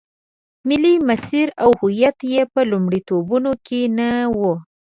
ملي مسیر او هویت یې په لومړیتوبونو کې نه و.